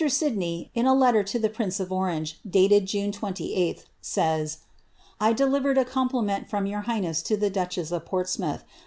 Sid a letter to the prince of Orange, dated June 28th, says, " I de a compliment from your highness to the duchess of Portsmouth.